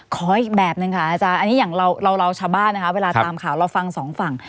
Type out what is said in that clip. ขออีกแบบนึงค่ะอาจารย์อันนี้อย่างเราชาวบ้านนะคะเวลาตามข่าวเราฟังสองฝั่ง